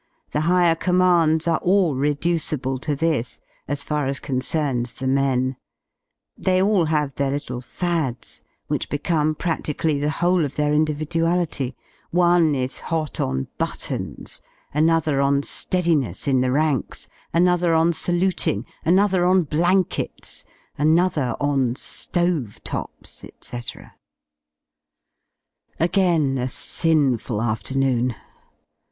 The highe? commands are all reducible to this (as far as concerns the men) : they all have their little fads, which become pra6i: cally the whole of their individuality; one is hot on buttons, another on Readiness in the ranks, another on saluting, another on blankets, another on ^ove tops, ^c. Again a sinful afternoon.